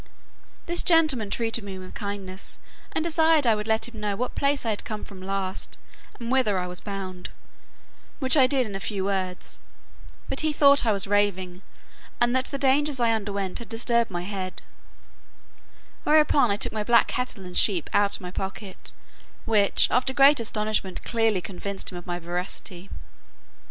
This gentleman treated me with kindness, and desired I would let him know what place I came from last, and whither I was bound; which I did in a few words, but he thought I was raving, and that the dangers I underwent had disturbed my head; whereupon I took my black cattle and sheep out of my pocket, which, after great astonishment, clearly convinced him of my veracity.